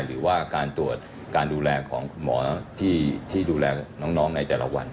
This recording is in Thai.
หรือว่าการตรวจการดูแลของหมอที่ดูแลน้องในแต่ละวัน